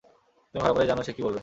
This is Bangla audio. তুমি ভালো করেই জানো সে কী বলবে!